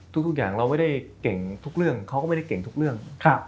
ทุกอย่างเราไม่ได้เก่งทุกเรื่องเขาก็ไม่ได้เก่งทุกเรื่อง